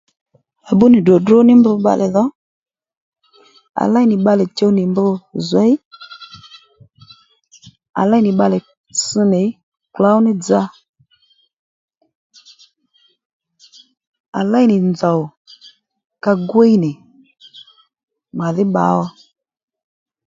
À bbú nì dròdró ní mb bbalè dho à léy nì bbalè chuw nì mb zwěy à léy nì bbalè ss nì klǒw ní dza à léy nì nzòw ka gwíy nì màdhí bba ó